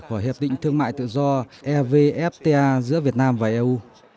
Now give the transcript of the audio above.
của hiệp định thương mại tự do evfta giữa việt nam và eu